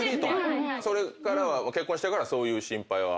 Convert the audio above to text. それからは結婚してからはそういう心配はもう？